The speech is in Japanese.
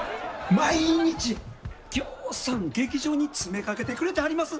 毎日ぎょうさん劇場に詰めかけてくれてはります。